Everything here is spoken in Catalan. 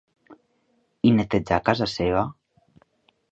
I netejà casa seva?